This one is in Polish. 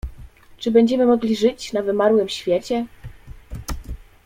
"Czy będziemy mogli żyć na wymarłym świecie?"